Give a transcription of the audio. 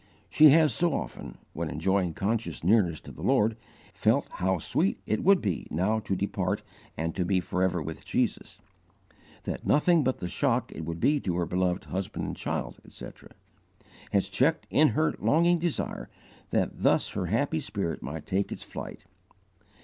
She has so often, when enjoying conscious nearness to the Lord, felt how sweet it would be now to depart and to be forever with Jesus, that nothing but the shock it would be to her beloved husband and child, etc. has checked in her the longing desire that thus her happy spirit might take its flight.